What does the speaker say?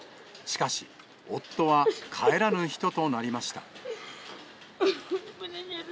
しかし、夫は帰らぬ人となりました。